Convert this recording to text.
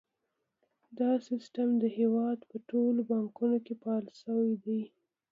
دا سیستم د هیواد په ټولو بانکونو کې فعال شوی دی۔